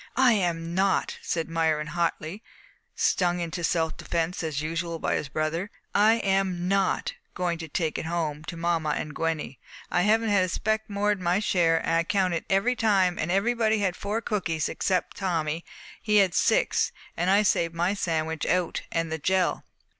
"I am not!" said Myron hotly, stung into self defence as usual by his brother. "I am not! Going to take it home to mamma and Gwenny. I haven't had a speck more'n my share. I counted every time, and everybody had four cookies 'cept Tommy. He had six. And I saved my sandwich out, and the jell!"